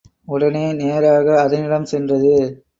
உடனே நேராக அதனிடம் சென்றது.